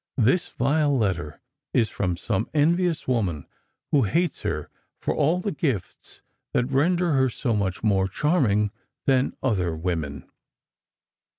This vile letter is from some envious woman who hates her for all the gifts that render her so much more charming than other women."